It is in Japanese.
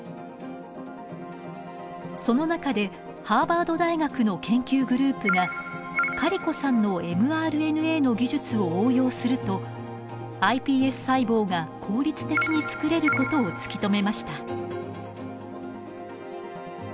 その中でハーバード大学の研究グループがカリコさんのｍＲＮＡの技術を応用するとｉＰＳ細胞が効率的に作れることを突き止めました。